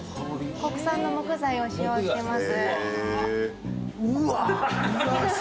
国産の木材を使用してます。